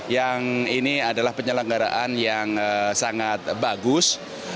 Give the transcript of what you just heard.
yang ini adalah penyelenggaraan yang sangat bagus